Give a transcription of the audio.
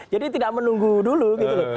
jadi tidak menunggu dulu gitu loh